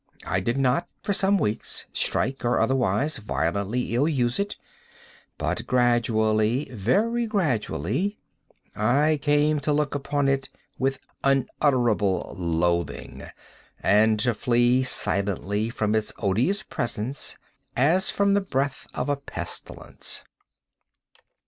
I did not, for some weeks, strike, or otherwise violently ill use it; but gradually—very gradually—I came to look upon it with unutterable loathing, and to flee silently from its odious presence, as from the breath of a pestilence.